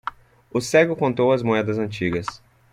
O cego contou as moedas antigas.